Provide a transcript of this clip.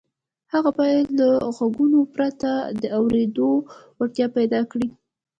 هغه باید له غوږونو پرته د اورېدو وړتیا پیدا کړي